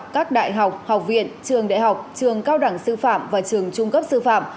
các đại học học viện trường đại học trường cao đẳng sư phạm và trường trung cấp sư phạm